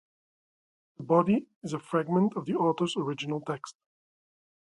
The "body" is a fragment of the author's original text.